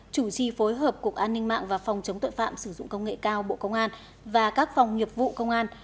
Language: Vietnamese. chủ trì phối hợp cục an ninh mạng và phòng chống tội phạm sử dụng công nghệ cao bộ công an và các phòng nghiệp vụ công an